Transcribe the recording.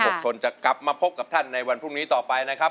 คนจะกลับมาพบกับท่านในวันพรุ่งนี้ต่อไปนะครับ